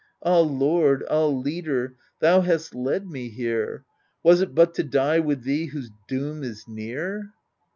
Ah lord, ah leader, thou hast led me here — Was't but to die with thee whose doom is near